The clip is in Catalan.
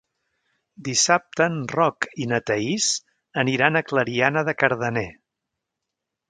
Dissabte en Roc i na Thaís aniran a Clariana de Cardener.